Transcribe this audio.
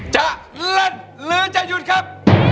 จะเล่นหรือจะหยุดครับ